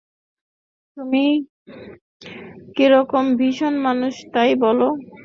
তুমি কীরকম ভীষণ মানুষ তাই বলব।